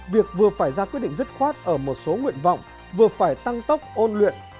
việc vừa phải ra quyết định dứt khoát ở một số nguyện vọng vừa phải tăng tốc ôn luyện